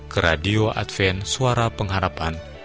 ke radio advian suara pengharapan